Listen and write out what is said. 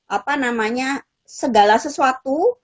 apa namanya segala sesuatu